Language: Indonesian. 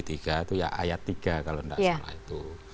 itu ya ayat tiga kalau tidak salah itu